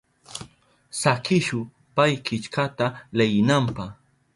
Sakishu pay killkata leyinanpa.